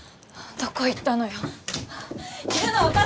・どこ行ったの！